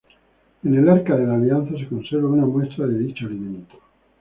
En el Arca de la Alianza se conservaba una muestra de dicho alimento.